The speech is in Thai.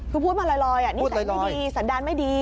คือพูดมาลอยนิสัยไม่ดีสันดารไม่ดี